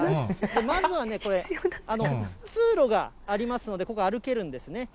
まずはね、これ、通路がありますので、ここ、歩けるんですね。